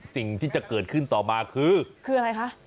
สิ่งที่จะเกิดขึ้นต่อมาคือคืออะไรคะ